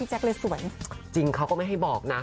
จริงเขาก็ไม่ให้บอกนะ